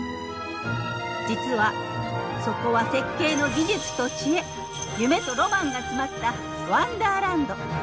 実はそこは設計の技術と知恵夢とロマンが詰まったワンダーランド。